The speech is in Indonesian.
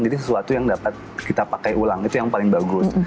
sesuatu yang dapat kita pakai ulang itu yang paling bagus